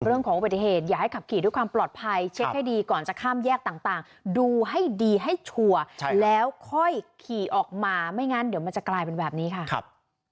เรื่องของอุบัติเหตุอย่าให้ขับขี่ด้วยความปลอดภัยเช็คให้ดีก่อนจะข้ามแยกต่างดูให้ดีให้ชัวร์แล้วค่อยขี่ออกมาไม่งั้นเดี๋ยวมันจะกลายเป็นแบบนี้ค่ะครับ